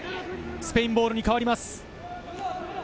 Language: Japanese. スペインボールに変わります。